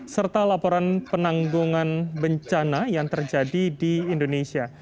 serta laporan penanggungan bencana yang terjadi di indonesia